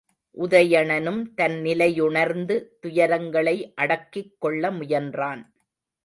உதயணனும் தன் நிலையுணர்ந்து, துயரங்களை அடக்கிக் கொள்ள முயன்றான்.